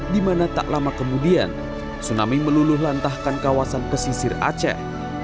di mana tak lama kemudian tsunami meluluh lantahkan kawasan pesisir aceh